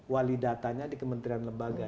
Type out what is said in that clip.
wali datanya di kementerian lembaga